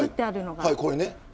はいこれね。